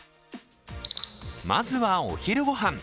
まずは、お昼御飯。